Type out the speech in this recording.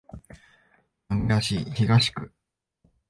名古屋市東区